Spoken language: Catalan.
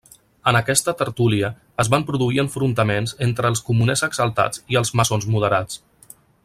En aquesta tertúlia es van produir enfrontaments entre els comuners exaltats i els maçons moderats.